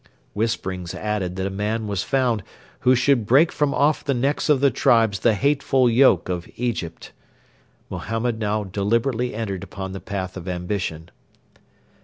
Whisperings added that a man was found who should break from off the necks of the tribes the hateful yoke of Egypt. Mohammed now deliberately entered upon the path of ambition.